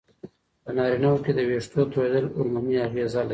په نارینه وو کې وېښتو توېیدل هورموني اغېزه لري.